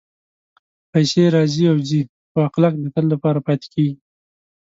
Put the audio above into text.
پېسې راځي او ځي، خو اخلاق د تل لپاره پاتې کېږي.